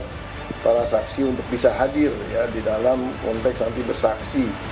tpn membuat para saksi untuk bisa hadir di dalam konteks anti bersaksi